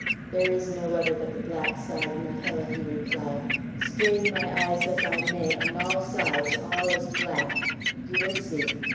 "There is no other but the black side, Majella," he replied. "Strain my eyes as I may, on all sides all is black. You will see.